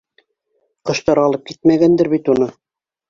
Ҡоштар алып китмәгәндер бит уны!